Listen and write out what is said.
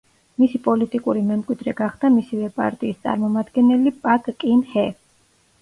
მისი პოლიტიკური მემკვიდრე გახდა მისივე პარტიის წარმომადგენელი პაკ კინ ჰე.